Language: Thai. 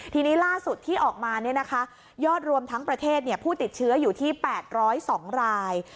ทีนี้ล่าสุดที่ออกมายอดรวมทั้งประเทศผู้ติดเชื้ออยู่ที่๘๐๒ราย